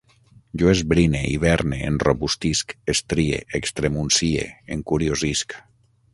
Jo esbrine, hiverne, enrobustisc, estrie, extremuncie, encuriosisc